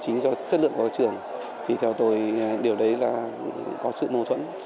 chính do chất lượng của các trường thì theo tôi điều đấy là có sự mâu thuẫn